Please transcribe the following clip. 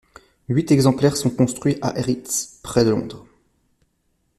Huit exemplaires sont construits à Erith près de Londres.